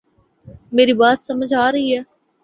میری بات سمجھ آ رہی ہے